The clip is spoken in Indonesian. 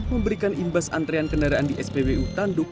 memberikan imbas antrean kendaraan di spbu tanduk